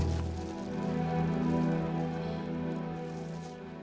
yang poussi ke rumah kamu